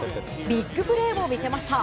ビッグプレーを見せました。